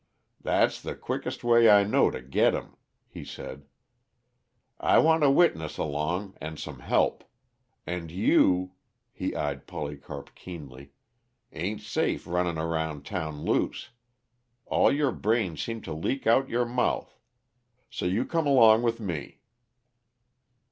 "That's the quickest way I know to get him," he said. "I want a witness along, and some help. And you," he eyed Polycarp keenly, "ain't safe running around town loose. All your brains seem to leak out your mouth. So you come along with me."